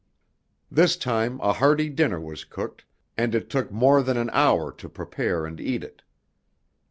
This time a hearty dinner was cooked, and it took more than an hour to prepare and eat it.